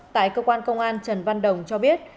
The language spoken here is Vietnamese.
tại cơ quan công an trần văn đồng cho biết